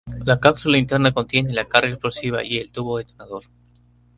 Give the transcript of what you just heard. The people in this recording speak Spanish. La cápsula interna contiene la carga explosiva y el tubo detonador.